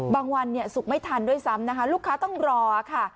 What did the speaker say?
วันสุกไม่ทันด้วยซ้ำนะคะลูกค้าต้องรอค่ะ